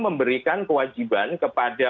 memberikan kewajiban kepada